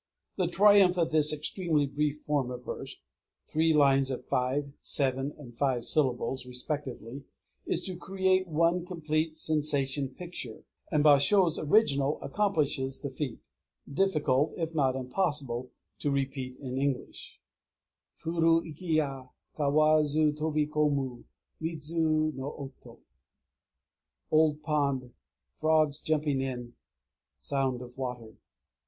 The triumph of this extremely brief form of verse (three lines of 5, 7, and 5 syllables respectively) is to create one complete sensation picture; and Bashō's original accomplishes the feat, difficult, if not impossible, to repeat in English: Furu iké ya, Kawazu tobikomu, Midzu no oto. ("Old pond frogs jumping in sound of water.")